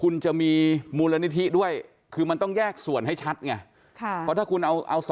ในมุมนึงก็คือ